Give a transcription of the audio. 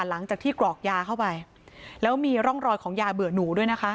หลังจากที่กรอกยาเข้าไปแล้วมีร่องรอยของยาเบื่อหนูด้วยนะคะ